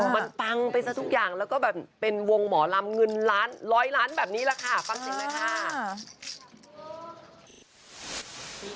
มันปังไปซะทุกอย่างแล้วก็แบบเป็นวงหมอลำเงินล้านร้อยล้านแบบนี้แหละค่ะฟังเสียงหน่อยค่ะ